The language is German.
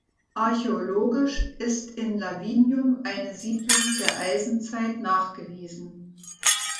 Archäologisch ist in Lavinium eine Siedlung der Eisenzeit nachgewiesen.